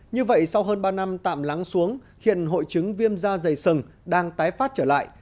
như vậy sau hơn ba năm tạm lắng xuống hiện hội chứng viêm da dày sừng đang tái phát trở lại